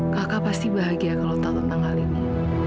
kakak pasti bahagia kalau tahu tentang hal ini